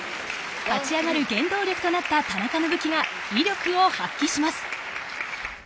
立ち上がり原動力となった田中の武器が威力を発揮します。